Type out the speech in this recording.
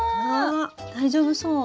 大丈夫そう。